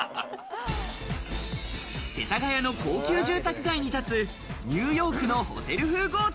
世田谷の高級住宅街に立つ、ニューヨークのホテル風豪邸。